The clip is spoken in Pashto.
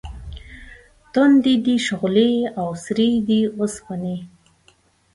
تُندې دي شغلې او سرې دي اوسپنې